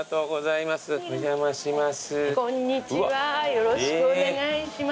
よろしくお願いします。